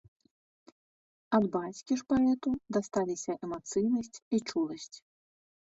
Ад бацькі ж паэту дасталіся эмацыйнасць і чуласць.